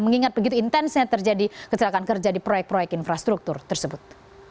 mengingat begitu intensnya terjadi kecelakaan kerja di proyek proyek infrastruktur tersebut